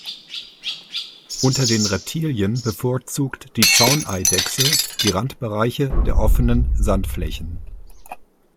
Unter den Reptilien bevorzugt die Zauneidechse die Randbereiche der offenen Sandflächen.